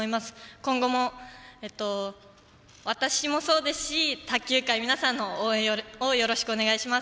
今後も私もそうですし卓球界皆さんの応援をよろしくお願いします。